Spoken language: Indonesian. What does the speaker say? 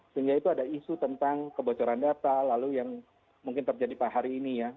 sehingga itu ada isu tentang kebocoran data lalu yang mungkin terjadi pada hari ini ya